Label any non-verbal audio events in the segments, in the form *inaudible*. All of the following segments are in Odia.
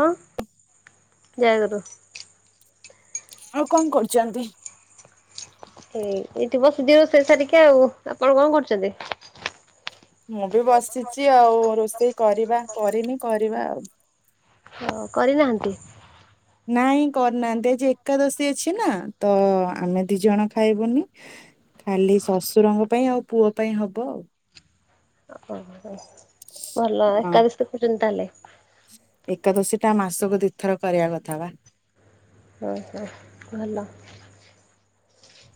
ହଁ ଜୟଗୁରୁ। ଆଉ କଣ କରୁଛନ୍ତି? ହେଇ ଏଇଠି ବସିଦିଏ ଆଉ ରୋଷେଇ ସାରିକି। ଆପଣ କଣ କରୁଛନ୍ତି? ମୁଁ ବି ବସିଛି ଆଉ ରୋଷେଇ କରିବା କରିନି କରିବା ଆଉ। ଓ କରିନାହାନ୍ତି? ନାଇଁ କରିନାହାନ୍ତି ଆଜି ଏକାଦଶୀ ଅଛି ନା, ତ ଆମେ ଦି ଜଣ ଖାଇବୁନି। ଖାଲି ଶଶୁରଙ୍କ ପାଇଁ ଆଉ ପୁଅ ପାଇଁ ହବ ଆଉ। ଓ ଭଲ। ହଁ। ଏକାଦଶୀ କରୁଛନ୍ତି ତାହେଲେ? ଏକାଦଶୀ ଟା ମାସକୁ ଦିଥର କରିବା କଥା ବା। ଓ ହୋ ଭଲ।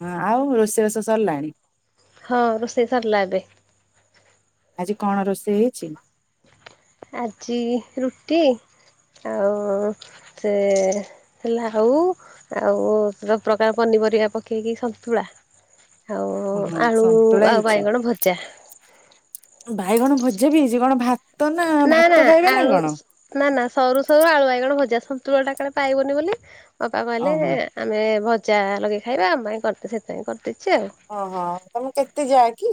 ହଁ ଆଉ ରୋଷେଇ ବାସ ସରିଲାଣି? ହଁ, ରୋଷେଇ ସାରିଲା ଏବେ। ଆଜି କଣ ରୋଷେଇ ହେଇଛି? ଆଜି ରୁଟି ଆଉ ସେ ହେଲା ହୋଉ ଆଉ ସବୁ ପ୍ରକାର ପନିପରିବା ପକେଇକି ସନ୍ତୁଳା। ଆଉ ହଁ ଆଳୁ ସନ୍ତୁଳା ହେଇ ଆଉ ଛି ବାଇଗଣ ଭଜା। ବାଇଗଣ ଭଜା ବି ହେଇଛି। କଣ ଭାତ ନା, ଭାତ ଖାଇବେ ନା କଣ? ନା ନା ସରୁ ସରୁ ଆଳୁ ବାଇଗଣ ଭଜା। ସନ୍ତୁଳା ଟା କାଳେ ପାଇବନି ବୋଲି ଅପା କହିଲେ ଓହୋ। ଆମେ ଭଜା ଲଗେଇ ଖାଇବା ଆମ ପାଇଁ କରିଦେ। ସେଥିପାଇଁ କରିଦେଇଛି ଆଉ। ଓହୋ ତମେ କେତେ ଯା କି?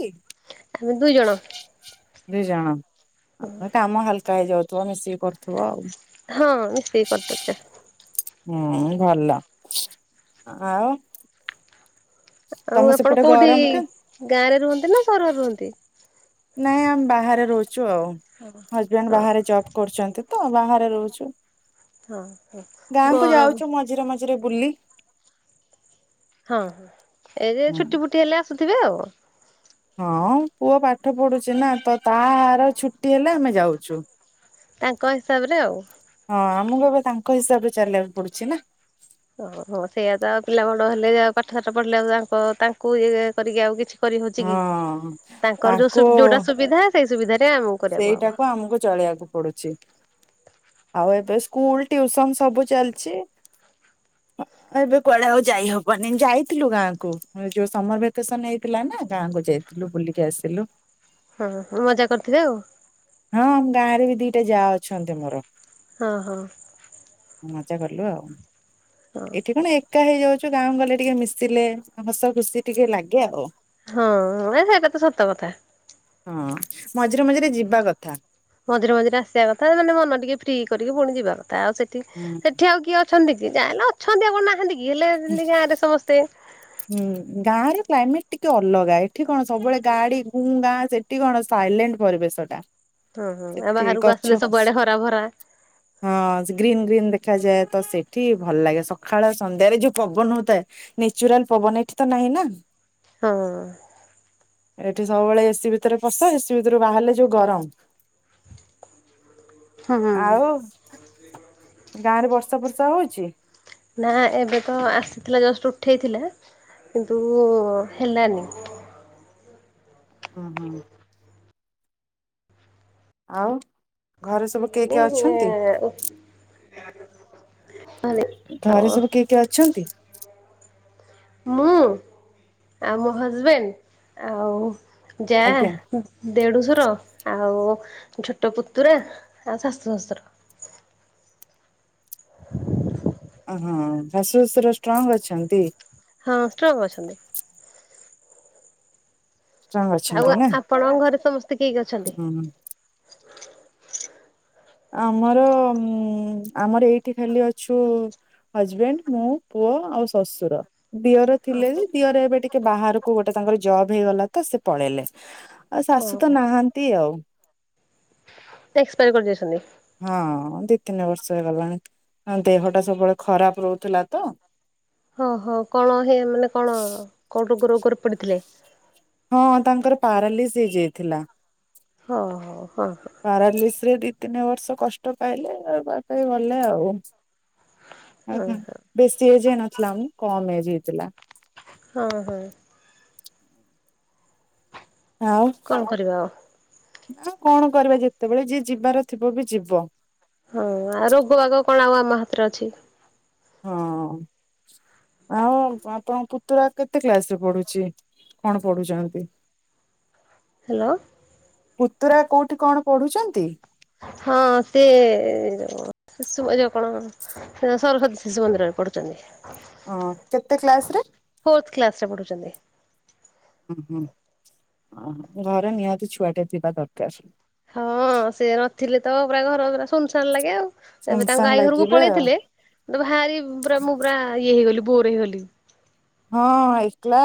ଆମେ ଦୁଇ ଜଣ ଦୁଇ ଜଣ ଆଉ କାମ ହାଲକା ହେଇଯାଉଥିବ ମିଶିକି କରୁଥିବ ଆଉ। ହଁ ମିଶିକି କରିଦେଉଚୁ। ହୁଁ ଭଲ। ଆଉ ଆଉ ତମ ଆପଣ ସେପଟେ କୋଉଠି ଗରମ କେ ଗାଁରେ ରୁହନ୍ତି ନା ସହରରେ ରୁହନ୍ତି? ନାଇଁ ଆମେ ବାହାରେ ରହୁଛୁ ଆଉ। ହଜବେଣ୍ଡ ହଁ ବାହାରେ ଜବ୍ କରୁଛନ୍ତି ତ ବାହାରେ ରହୁଛୁ। ହଁ ହଁ ଗାଁ କୁ ଗରମ ଯାଉଛୁ ମ ମଝିରେ ମଝିରେ ବୁଲି। ହଁ, ଏଇ ଯେ ହୁଁ। ଛୁଟି ଫୁଟି ହେଲେ ଆସୁଥିବେ ଆଉ। ହଁ, ପୁଅ ପାଠ ପଢୁଛି ନା ତ ତାହାର ଛୁଟି ହେଲେ ଆମେ ଯାଉଛୁ। ତାଙ୍କ ହିସାବରେ ଆଉ। ହଁ, ଆମକୁ ଏବେ ତାଙ୍କ ହିସାବରେ ଚାଲିବାକୁ ପଡୁଛି ନା। ଓହୋ ସେଇଆ ତ ଆଉ ପିଲା ବଡ ହେଲେ ଆଉ ପାଠଶାଠ ପଢିଲେ ଆଉ ତା ତାଙ୍କୁ ଇଏ କରିକି ଆଉ କିଛି କରି ହଉଛି କି? ହଁ। ତାଙ୍କର ତାଙ୍କୁ ଯୋଉ ଯୋଉଟା ସୁବିଧା ସେଇ ସୁବିଧାରେ ଆମକୁ କରିବାକୁ ସେଇଟାକୁ ଆମକୁ ଚଳେଇବାକୁ ପଡୁଛି। ଆଉ ଏବେ ସ୍କୁଲ ଟ୍ୟୁସନ ସବୁ ଚାଲିଛି। ଏବେ କୁଆଡେ ଆଉ ଯାଇହବନି ଯାଇଥିଲୁ ଗାଁକୁ ଯୋଉ ସମର ଭେକେସନ ହେଇଥିଲା ନା ଗାଁକୁ ଯାଇ ଥିଲୁ ବୁଲିକି ଆସିଲୁ। ହଁ ମଜା କରିଥିବେ ଆଉ। ହଁ, ଗାଁ ରେ ବି ଦିଟା ଯା ଅଛନ୍ତି ମୋର। ହଁ ହଁ। ମଜା କଲୁ ଆଉ। ଏଠି କଣ ଏ ଏକା ହେଇଯାଉଛୁ ଗାଁ କୁ ଗଲେ ଟିକେ ମିଶିଲେ ହସ ଖୁସି ଟିକେ ଲାଗେ ଆଉ। ହଁ, ସେଇଟା ତ ସତ କଥା। ହଁ, ମଝିରେ ମଝିରେ ଯିବା କଥା। ମଝିରେ ମଝିରେ ଆସିବା କଥା ମାନେ ମନ ଟିକେ ଫ୍ରି କରିକି ପୁଣି ଯିବା କଥା। ଆଉ ସେଠି ହୁଁ ସେଠି ଆଉ କିଏ ଅ ଅଛନ୍ତି କି ଯାହା ହେଲେ ଅଛନ୍ତି ଆ କଣ ନାହାନ୍ତି କି ହେଲେ ଯେମିତି ଗାଁରେ ସମସ୍ତେ ହୁଁ ଗାଁ ର କ୍ଲାଇମେଟ ଟିକେ ଅଲଗା ଏଠି କଣ ସବୁବେଳେ ଗାଡି ଗୁଁ ଗାଁ ସେଠ ଟି କଣ ସାଇଲେଣ୍ଟ ପରିବେଶ ଟା। ଓଁ ହୋ ଏ ସେଠି ବାହାରକୁ ଗଛ ଆସିଲେ ଫଛ ସବୁଆଡେ ହରା ଭରା ହଁ ଗ୍ରୀନ୍ ଗ୍ରୀନ୍ ଦେଖାଯାଏ, ତ ସେଠି ଭଲ ଲାଗେ ସକାଳ ସନ୍ଧ୍ୟାରେ ଯଉ ପବନ ହଉଥାଏ। ନେଚୁରାଲ ପବନ, ଏଠି ତ ନାହିଁ ନା। ହଁ। ଏଠି ସବୁବେଳେ ଏସିି ଭିତରେ ପସେ ଏସିି ଭିତରୁ ବାହାରିଲେ ଯୋଉ ଗରମ। *inaudible* ହଁ। ଆଉ ଗାଁରେ ବର୍ଷା ପର୍ଷା ହଉଛି। ନା ଏବେ ତ ଆସିଥିଲା ଜଷ୍ଟ ଉଠାଇଥିଲା, କିନ୍ତୁ ହେଲାନି। ହଁ ହଁ। ଆଉ, ଘରେ ସବୁ କିଏ କିଏ ଅଛନ୍ତି? ହେଲାନି ଘରେ ସବୁ କିଏ କିଏ ଅଛନ୍ତି? ମୁଁ, ଆଉ ମୋ ହଜବେଣ୍ଡ, ଆଉ ଜା ଆଜ୍ଞା ଦେଡୁଶୁର, ଆଉ ଛୋଟ ପୁତୁରା, ଆଉ ଶାଶୁ ଶ୍ୱଶୁର। ଓହୋ, ଶାଶୁ ଶଶୁର ଷ୍ଟ୍ରଙ୍ଗ ଅଛନ୍ତି। ହଁ, ଷ୍ଟ୍ରଙ୍ଗ ଅଛନ୍ତି। ଷ୍ଟ୍ରଙ୍ଗ ଅଛନ୍ତି ଆଉ, ନା ଆପଣଙ୍କ ଘରେ ସମସ୍ତେ କିଏ କିଏ ଅଛନ୍ତି? ଉଁ ଆମର ମ ଆମର ଏଇଠି ଖାଲି ଅଛୁ ହଜବେଣ୍ଡ, ମୁଁ, ପୁଅ, ଆଉ ଶଶୁର। ଦିଅର ଥିଲେ ଯେ, ଦିଅର ଏବେ ଟିକେ ବାହାରକୁ ଗୋଟେ ତାଙ୍କର ଜବ୍ ହେଇଗଲା ତ ସେ ପଳେଇଲେ। ଆଉ ଶାଶୁ ତ ଓହୋ। ନାହାନ୍ତି ଆଉ। ସେ ଏକ୍ସପାରି କରି ଯାଇଛନ୍ତି। ହଁ ଦି ତିନି ବର୍ଷ ହେଇଗଲାଣି, ତାଙ୍କ ଦେହଟା ସବୁବେଳେ ଖରାପ ରହୁଥିଲା ତ। ଓ ହୋ କଣ ହେ ମାନେ କଣ କଉ ରୋଗ ରୋଗରେ ପଡ଼ିଥିଲେ? ହଁ ତାଙ୍କର ପାରାଲିସ୍ ହେଇଯାଇଥିଲା। ହ ହ ହ। ପାରାଲିସ ରେ ଦି ତିନି ବର୍ଷ କଷ୍ଟ ପାଇଲେ, ତାପରେ ଗଲେ ଆଉ। ଓ ହଁ ହୋ, ବେଶୀ ଏଜେ ହେଇନଥିଲା ମ, କମ ଏଜ ହେଇଥିଲା। ହଁ ହଁ। ଆଉ, କଣ କରିବା ଆଉ। ଆଉ କଣ କରିବା ଯେତେବେଳେ ଯିଏ ଯିବାର ଥିବ ବି ଯିବ। ହଁ, ଆଉ ରୋଗ ବାଗ କଣ ଆଉ ଆମ ହାତରେ ଅଛି। ହଁ। ଆଉ ଆପଣଙ୍କ ପୁତୁରା କେତେ କ୍ଲାସରେ ପଢୁଛି, କଣ ପଢୁଛନ୍ତି? ହାଲୋ। ପୁତୁରା କଉଠି କଣ ପଢୁଛନ୍ତି? ହଁ, ସେ ଶିଶୁ ଏ ଯଉ କଣ ସେ ସରସ୍ଵତୀ ଶିଶୁ ମନ୍ଦିରରେ ପଢୁଛନ୍ତି। ଅ, କେତେ କ୍ଲାସ ରେ? ଫୋର୍ଥ କ୍ଲାସ ରେ ପଢୁଛନ୍ତି। ଉଁ ହୁଁ, ଅ ଘରେ ନିହାତି ଛୁଆଟେ ଥିବା ଦରକାର। ହଁ, ସେ ନଥିଲେ ତ ପୁରା ଘର ପୁରା ଶୂନଶାନ ଲାଗେ ଆଉ। ଏବେ ସୁନସାନ ତାଙ୍କ ଆଈ ଘରକୁ ଲାଗିବେ ପଳେଇଥିଲେ, ମତେ ଭାରି ପୁରା ମୁଁ ପୁରା ଇଏ ହେଇଗଲି ବୋର ହେଇଗଲି। ହଁ, ଏକେଲା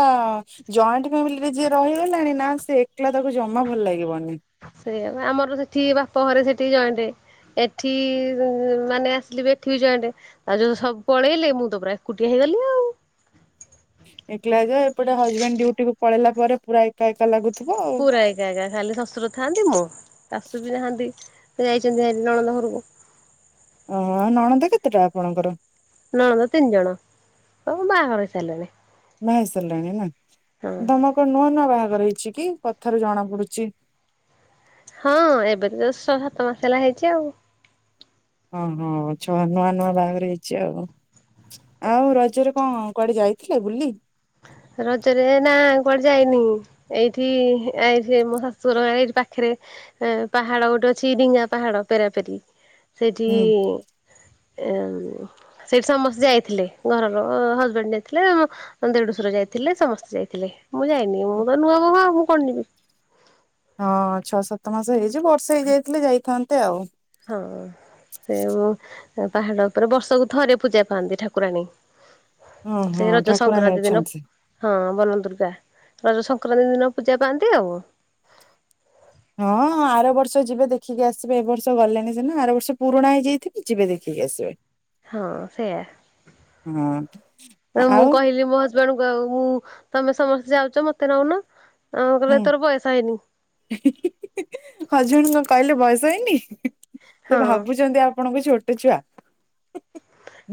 ଜଏଣ୍ଟ ଫ୍ୟାମିଲିରେ ଯିଏ ରହିଗଲାଣି, ନା ସେ ଏକଲା ତାକୁ ଜମା ଭଲ ଲାଗିବନି। ସେଇଆ ପା, ଆମର ସେଠି ବାପ ଘରେ ସେଠି ଜଏଣ୍ଟେ। ଏଠି ମାନେ ଆସିଲି ବି ଏଠି ବି ଜଏଣ୍ଟେ। ଆଉ ଯୋଉ ସବୁ ପଳେଇଲେ, ମୁଁ ତ ପୁରା ଏକୁଟିଆ ହେଇଗଲି ଆଉ। ଏକଲା ଯେ ଏପଟେ ହଜବେଣ୍ଡ ଡିଉଟି କୁ ପଳେଇଲା ପରେ ପୁରା ଏକା ଏକା ଲାଗୁ ପୁରା ଏ ଜାଗା ଖାଲି ଶ୍ୱଶୁର ଥାଆନ୍ତି, ମୁଁ, ଶାଶୁ ବି ନାହାନ୍ତି, ସେ ଯାଇଚନ୍ତି ଭାରି ନଣନ୍ଦ ଘରକୁ। ଓହୋ, ଆଉ ନଣନ୍ଦ କେତେଟା ଆପଣଙ୍କର? ନଣନ୍ଦ ତିନି ଜଣ, ସବୁ ବାହାଘର ହେଇସାରିଲାଣି। ବାହା ହେଇସାରିଲେଣି ନା? ତୋମେ କଣ ନୂଆ ନୂଆ ବାହାଘର ହେଇଛି କି? କଥାରୁ ଜଣା ପଡୁଛି। ହଁ ଏବେ ତ ଜଷ୍ ଛଅ ସାତ ମାସ ହେଲା ହେଇଛି ଆଉ। ହଁ, ହଁ ଛଅ, ନୂଆ ନୂଆ ବାହାଘର ହେଇଛି ଆଉ। ଆଉ ରଜରେ କଣ କୁଆଡେ ଯାଇ ଥିଲ ବୁଲି? ରଜରେ ନା କୁଆଡେ ଯାଇନି। ଏଇଠି ହେ ଆଇଥିଲେ ମୋ ଶାଶୁଘର ଗାଁ ଏଇଠି ପାଖରେ ଏ, ପାହାଡ ଗୋଟେ ଅଛି ଡିଙ୍ଗା ପାହାଡ ପେରାପେରି ସେଇଠି ହୁଁ ଏ ଉ, ସେଇଠି ସମସ୍ତେ ଯାଇଥିଲେ, ଘରର ହଜବେଣ୍ଡ ଯାଇଥିଲେ ମୋ ମୋ ଦେଢୁଶୁର ଯାଇଥିଲେ ସମସ୍ତେ ଯାଇଥିଲେ, ମୁଁ ଯାଇନି, ମୁଁ ତ ନୂଆ ବୋହୂ ଆଉ ମୁଁ କଣ ଯିବି। ହଁ ଛଅ ସାତ ମାସ ହେଇଛି ବର୍ଷେ ହେଇଯାଇଥିଲେ ଯାଇଥାନ୍ତେ ଆଉ। ହଁ। ସେ ମୁଁ ସେ ପାହାଡ ଉପରେ ବର୍ଷକୁ ଥରେ ପୂଜା ପାଆନ୍ତି ଠାକୁରାଣୀ। ହଁ ସେ ହଁ ରଜ ଠାକୁରାଣୀ ସଂକ୍ରାନ୍ତି ଦିନ ଅଛନ୍ତି। ହଁ ବନ ଦୁର୍ଗା ରଜ ସଂକ୍ରାନ୍ତି ଦିନ ପୂଜା ପାଆନ୍ତି ଆଉ। ହଁ ଆର ବର୍ଷ ଯିବେ ଦେଖିକି ଆସିବେ, ଏ ବର୍ଷ ଗଲେନି ସିନା, ଆର ବର୍ଷ ପୁରୁଣା ହେଇଯାଇଥିବେ ଯିବେ ଦେଖିକି ଆସିବେ। ହଁ ସେୟା, ହଁ ଅ, ମୁଁ ଆଉ କହିଲି ମୋ ହଜ ଜଣକ ମୁଁ ତୋମେ ସମସ୍ତେ ଯାଉଚ ମୋତେ ନଉନ, ଆଉ ହୁଁ। କହିବେ ତୋର ବୟସ ହେଇନି। ହଜବେଣ୍ଡ କଣ କହିଲେ ବୟସ ହେଇନି? ସେ ହଁ ଭାବୁଛନ୍ତି ଆପଣଙ୍କୁ ଛୋଟ ଛୁଆ।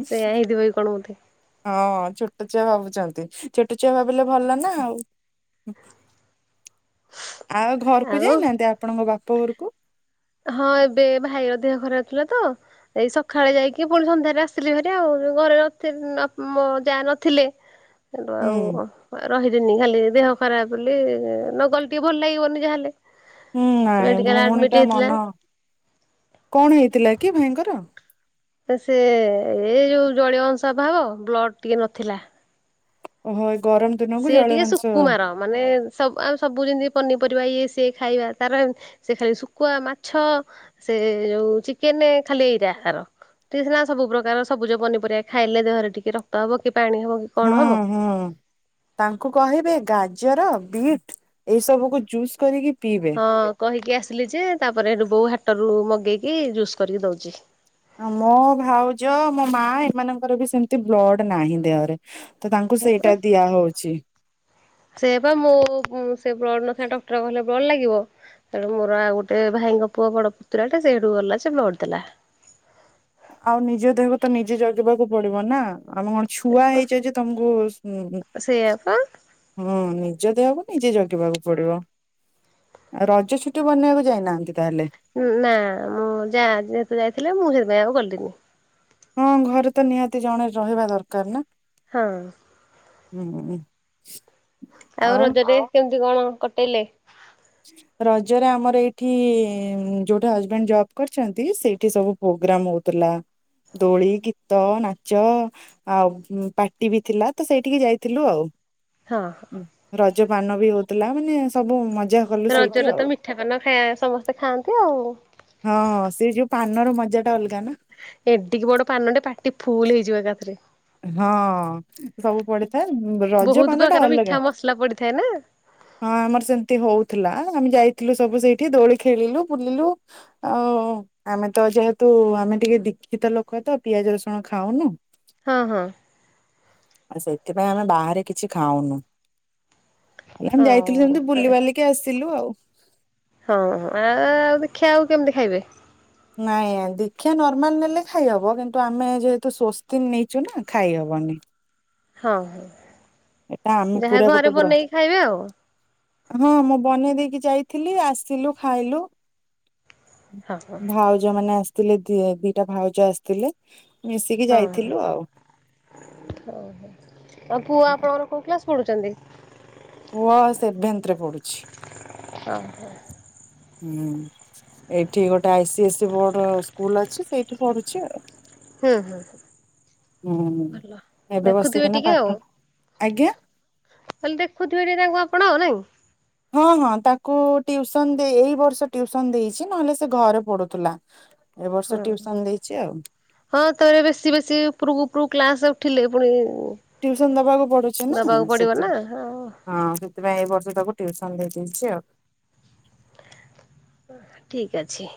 ସେୟା ହେଇଥିବ କି କଣ ବୋଧେ। ହଁ ଛୋଟ ଛୁଆ ଭାବୁଛନ୍ତି, ଛୋଟ ଛୁଆ ଭାବିଲେ ଭଲ ନା ଆଉ। ଆଉ ଘରକୁ ଆଉ ଯାଇନାହାନ୍ତି ଆପଣଙ୍କ ବାପ ଘରକୁ? ହଁ, ଏବେ ଭାଇର ଦେହ ଖରାପ ଥିଲା ତ ଏଇ ସଖାଳେ ଯାଇକି ପୁଣି ସନ୍ଧ୍ୟାରେ ଆସିଲି ଭାରି ଆଉ ଘରେ ରଖି ନ- ମୋ ଯା ନଥିଲେ। *unintelligible* ସେଠୁ ଆଉ ହୁଁ। ଓଃ, ରହିବିନି ଖାଲି ଦେହ ଖରାପ ବୋଲି ନ ଗଲେ ଟିକେ ଭଲ ଲାଗିବନି ଯାହା ହେଲେ। ହୁଁ, ନାଇଁ ଭଉଣୀ ଟା ମନ, କଣ ହେଇଥିଲା କି ଭାଇଙ୍କର? ଏ ସେ ଏ ଯୋଉ ଜଳୀୟ ଅଂଶ ଅଭାବ, ବ୍ଲଡ୍ ଟିକେ ନଥିଲା। ଓହୋ, ଏଇ ଗରମ ଦିନକୁ ସିଏ ଟିକେ ଜଳୀୟବଂଶ ସୁକୁମାର, ମାନେ ସବ୍ ଆମେ ସବୁ ଯେମିତି ପନିପରିବା ଇଏ ସିଏ ଖାଇବା, ତାର ସେ ଖାଲି ଶୁକୁଆ, ମାଛ, ସେ ଯୋଉ ଚିକେନେ ଖାଲି ଏଇରା ତାର। ସିଏ ସିନା ସବୁ ପ୍ରକାର ସବୁଜ ପନିପରିବା ଖାଇଲେ ଦେହରେ ଟିକେ ରକ୍ତ ହବ କି ପାଣି ହବ କି। କଣ ହବ। ହଁ, ହଁ। ତାଙ୍କୁ କହିବେ ଗାଜର, ବିଟ୍ ଏ ସବୁକୁୁ ଜୁସ୍ କରିକି ପିଇବେ। ହଁ କହିକି ଆସିଲି ଯେ, ତାପରେ ସେଠୁ ବୋଉ ହାଟରୁ ମଗେଇକି ଜୁସ୍ କରିକି ଦଉଚି। ଅଁ, ମୋ ଭାଉଜ, ମୋ ମା ଏମାନଙ୍କର ବି ସେମିତି ବ୍ଲଡ୍ ନାହିଁ ଦେହରେ। ତ ତାଙ୍କୁ ସେଇଟା ଦିଆ ହଉଛି। ସେ ପା ମୁଁ ସେ ବ୍ଲଡ ନଥିଲା ଡକ୍ଟର କହିଲେ ବ୍ଲଡ ଲାଗିବ ତେଣୁ ମୋର ଆଉ ଗୋଟେ ଭାଇଙ୍କ ପୁଅ ବଡ ପୁତୁରା ଟେ ସେଇଠୁ ଗଲା ସେ ବ୍ଲଡ଼ ଦେଲା। ଆଉ ନିଜ ଦେହକୁ ତ ନିଜେ ଜଗିବାକୁ ପଡିବ ନା ଆମେ କଣ ଛୁଆ ହେଇଯାଇଛ ତମକୁ ସେଇଆପା ହଁ ନିଜ ଦେହକୁ ନିଜେ ଜଗିବାକୁ ପଡିବ। ରଜ ଛୁଟି ବନେଇବାକୁ ଯାଇନାହାନ୍ତି ତାହେଲେ। ଉଁ ନା ମୁଁ ଯା ଯେହେତୁ ଯାଇଥିଲେ ମୁଁ ସେଥିପାଇଁ ଆଉ ଗଲିନି। ହଁ, ଘରେ ତ ନିହାତି ଜଣେ ରହିବା ଦରକାର ନା। ହଁ,। ହୁଁ,। ଆଉ ରଜରେ କେମିତି କଣ କଟେଇଲେ? ରଜରେ ଆମର ଏଇଠି ଯୋଉଠି ହଜବେଣ୍ଡ ଜବ କରିଛନ୍ତି ସେଇଠି ସବୁ ପୋଗ୍ରାମ ହଉଥିଲା ଦୋଳି ଗୀତ ନାଚ ଆଉ ପାଟି ବି ଥିଲା ତ ସେଇଠିକି ଯାଇଥିଲୁ ଆଉ। ହଁ। ରଜ ପାନ ବି ହଉଥିଲା ମାନେ ସବୁ ମଜା କଲୁ ସେଇଠି ରଜରେ ଆଉ ତ ମିଠା ପାନ ଖାଇ ସମସ୍ତେ ଖାଆନ୍ତି ଆଉ। ହଁ ସେ ଯୋଉ ପାନର ମଜାଟା ଅଲଗା ନା। ଏଟିକି ବଡ ପାନଟେ ପାଟି ଫୁଲ ହେଇଯିବ ଏକାଥରେ। ହଁ ସବୁ ପଡିଥାଏ ରଜ ବହୁତ ପାନ ଟା ପ୍ରକାର ମିଠା ଅଲଗା। ମସଲା ପଡିଥାଏ ନା। ହଁ ଆମର ସେମତି ହଉଥିଲା ଆମେ ଯାଇଥିଲୁ ସବୁ ସେଇଠି ଦୋଳି ଖେଳିଲୁ ବୁଲିଲୁ। ଆଉ ଆମେ ତ ଯେହେତୁ ଆମେ ଟିକେ ଦୀକ୍ଷିତ ଲୋକ ତ ପିଆଜ ରସୁଣ ଖାଉନୁ। ହଁ ହଁ ଆ ସେଥିପାଇଁ ଆମେ ବାହାରେ କିଛି ଖାଉନୁ ହେଲେ ହଁ ଆମେ ଯାଇଥିଲୁ ହଁ ସେମିତି ବୁଲିବାଲିକି ବୁଲିକି ଆସିିଲୁ ଆଉ। ହଁ ହଁ ଆଉ ଦୀକ୍ଷା ଆଉ କେମିତି ଖାଇବେ। ନାଇଁ ଦୀକ୍ଷା ନର୍ମାଲ ନେଲେ ଖାଇହବ କିନ୍ତୁ ଆମେ ଯେହେତୁ ସ୍ୱସ୍ତିକ ନେଇଛୁ ନା ଖାଇହବନି। ହଁ ହଁ ଏଟା ଆମେ ଯାହା ପୁରା ଗୋଟେ ଘରେ ବ୍ର ବନେଇକି ଖାଇବେ ଆଉ। ହଁ ମୁଁ ବନେଇ ଦେଇକି ଯାଇଥିଲି ଆସିଲୁ ଖାଇଲୁ। ହଁ ହଁ। ଭାଉଜ ମାନେ ଆସିଥିଲେ ଦ ଦିଟା ଭାଉଜ ଆସି ଥିଲେ ମିଶିକି ଯାଇଥିଲୁ ଆଉ। ଓହୋ ଆଉ ପୁଅ ଆପଣଙ୍କର କୋଉ କ୍ଲାସ ପଢୁଛନ୍ତି? ପୁଅ ସେଭେନ୍ତରେ ପଡୁଛି। ହଁ ହୁଁ ଏଇଠି ଗୋଟେ ଆଇ ସି ଏ ସ ବୋର୍ଡ ସ୍କୁଲ ଅଛି ସେଇଠି ପଢୁଛି ଆଉ। ହୁଁ ହୁଁ ହୁଁ ଭଲ ଏବେ ଦେଖୁଥିବେ ବସିକିନା ଟିକେ ପାଠ ଆଜ୍ଞା ଖାଲି ଦେଖୁଥିବେ ଟିକେ ତାଙ୍କୁ ଆପଣ ଆଉ ନାଇଁ। ହଁ ହଁ ତାକୁ ଟିଉସନ ଦେଇ ଏଇ ବର୍ଷ ଟିଉସନ ଦେଇଛି ନହେଲେ ସେ ଘରେ ପଢୁଥିଲା। ଏ ବର୍ଷ ହଁ ଟିଉସନ ଦେଇଛି ଆଉ। ହଁ ତାର ବେଶୀ ବେଶୀ ଉପରକୁ ଉପରକୁ କ୍ଲାସ ଉଠିଲେ ପୁଣି ଟିଉସନ ଦବାକୁ ପଡୁଛ ନା ଦବାକୁ ପଡ଼ିବ ନା ସେଥିପାଇଁ ହଁ ହଁ ସେଥିପାଇଁ ଏଇ ବର୍ଷ ତାକୁ ଟ୍ୟୁସନ ଦେଇଦେଇଛି ଆଉ। ଠିକ୍ ଅଛି।